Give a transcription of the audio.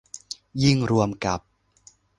ยิ่งรวมกับ